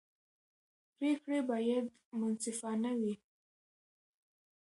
پرېکړې باید منصفانه وي